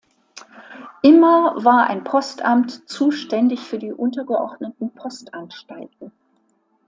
Immer war ein Postamt zuständig für die untergeordneten Postanstalten.